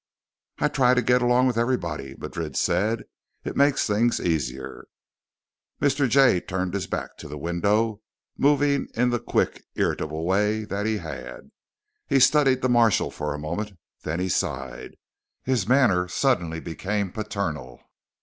"I try to get along with everybody," Madrid said. "It makes things easier." Mr. Jay turned his back to the window, moving in the quick irritable way that he had. He studied the marshal a moment, then he sighed. His manner suddenly became paternal.